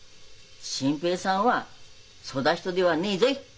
新平さんはそだ人ではねえぞい！